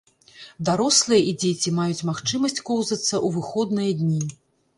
Дарослыя і дзеці маюць магчымасць коўзацца ў выходныя дні.